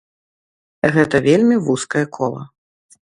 Гэта вельмі вузкае кола.